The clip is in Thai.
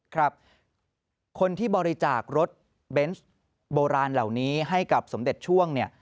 ครับคนที่บริจาครถเบนส์โบราณเหล่านี้ให้กับสมเด็จช่วงเนี่ย